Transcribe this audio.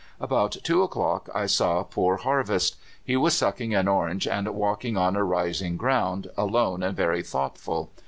"About two o'clock I saw poor Harvest. He was sucking an orange and walking on a rising ground, alone and very thoughtful.